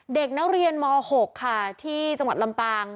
เด็กนักเรียนม๖ค่ะที่จังหวัดลำปาง